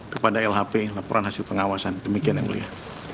kepada lhp laporan hasil pengawasan demikian yang mulia